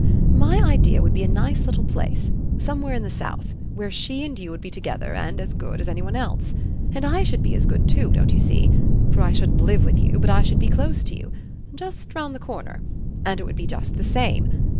My idea would be a nice little place somewhere in the South where she and you would be together and as good as any one else. And I should be as good too, don't you see? for I shouldn't live with you, but I should be close to you just round the corner, and it would be just the same.